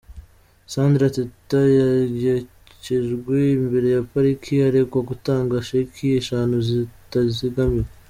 Sandra Teta yagekjejwe imbere ya Pariki aregwa gutanga sheki eshanu zitazigamiwe.